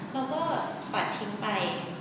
เราก็ปัดทิ้งไป